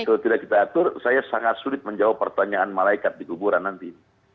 jadi kalau tidak kita atur saya sangat sulit menjawab pertanyaan malaikat di kuburan nanti